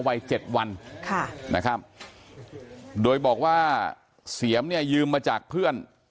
วัยเจ็ดวันค่ะนะครับโดยบอกว่าเสียมเนี่ยยืมมาจากเพื่อน